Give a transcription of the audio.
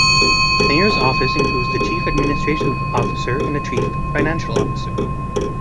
The Mayor's office includes the Chief Administrative Officer and the Chief Financial Officer.